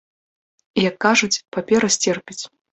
Як кажуць, папера сцерпіць.